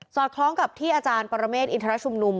อดคล้องกับที่อาจารย์ปรเมฆอินทรชุมนุม